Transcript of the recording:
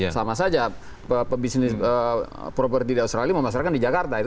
sama saja pebisnis properti di australia memasarkan di jakarta itu